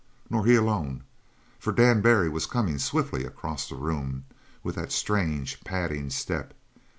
Nor he alone, for Dan Barry was coming swiftly across the room with that strange, padding step.